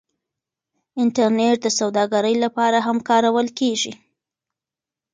انټرنیټ د سوداګرۍ لپاره هم کارول کیږي.